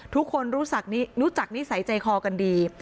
ทุกคนรู้จักนิสัยใจคอกันดี